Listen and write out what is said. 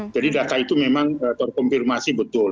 jadi data itu memang terkompirmasi betul